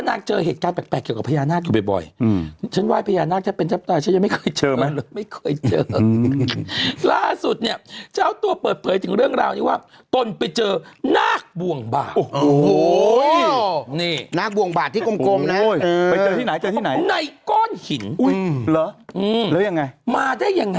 มาพักช่วงหน้าแสงสีเขียวที่ระนองนะ